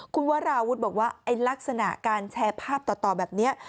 คุณวราวุฒิบอกว่าลักษณะการแชร์ภาพต่อแบบนี้